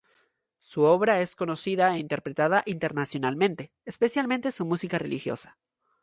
Su obra es conocida e interpretada internacionalmente, especialmente su música religiosa.